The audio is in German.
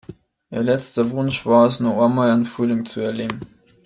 Ihr letzter Wunsch war es, noch einmal einen Frühling zu erleben.